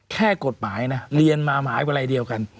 แค่กฎหมายเรียนมาหมายว่าอะไรเดียวกัน